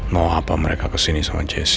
mau apa mereka kesini sama jessi